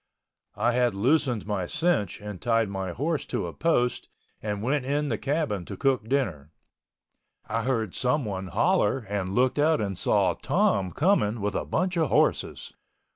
I had loosened my cinch and tied my horse to a post and went in the cabin to cook dinner. I heard someone holler and looked out and saw Tom coming with a bunch of horses.